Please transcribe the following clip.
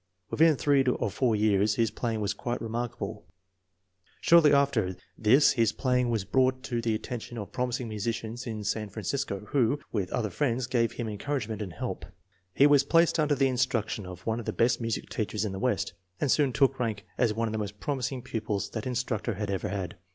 Within three or four years his playing was quite re markable. Shortly after this his playing was brought 250 INTELLIGENCE OF SCHOOL CHILDREN to the attention of prominent musicians in San Fran cisco who, with other friends, gave him encouragement and help. He was placed under the instruction of one of the best music teachers in the West, and soon took rank as one of the most promising pupils that instructor had ever had.